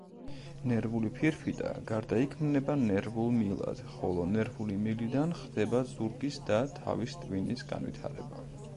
ნერვული ფირფიტა გარდაიქმნება ნერვულ მილად, ხოლო ნერვული მილიდან ხდება ზურგის და თავის ტვინის განვითარება.